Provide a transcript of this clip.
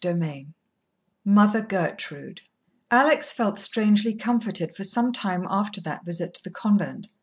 XVI Mother Gertrude Alex felt strangely comforted for some time after that visit to the convent.